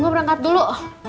gue berangkat dulu